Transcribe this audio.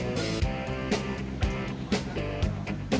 jadi kita sudah berpikir untuk membuatnya lebih baik